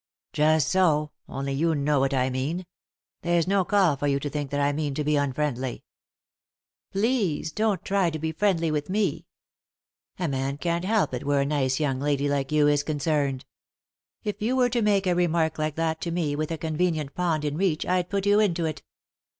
"Just so; only you know what I mean. There's no call for you to think that I mean to be unfriendly." " Please don't try to be friendly with me." " A man can't help it where a nice young lady like you is concerned." " If you were to make a remark like that to me with a convenient pond in reach I'd put you into it."